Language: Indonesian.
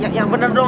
eh yang bener dong